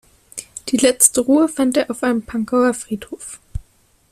Die letzte Ruhe fand er auf einem Pankower Friedhof.